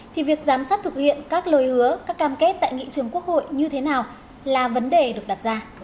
thì việc giám sát thực hiện các lời hứa các cam kết tại nghị trường quốc hội như thế nào là vấn đề được đặt ra